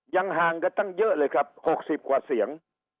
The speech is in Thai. ยังห่างกันตั้งเยอะเลยครับ๖๐กว่าเสียง